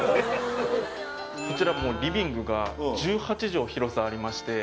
こちらリビングが１８畳広さありまして